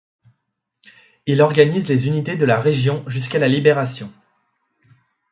Il organise les unités de la région jusqu'à la libération.